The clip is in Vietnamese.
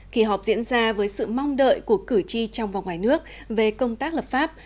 kỳ họp diễn ra với sự mong đợi của cử tri trong và ngoài nước về công tác lập pháp